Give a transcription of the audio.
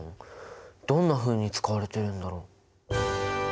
どんなふうに使われてるんだろう？